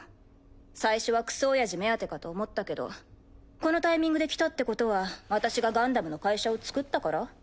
最初はクソおやじ目当てかと思ったけどこのタイミングで来たってことは私がガンダムの会社をつくったから？